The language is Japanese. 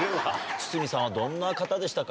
筒美さんはどんな方でしたか？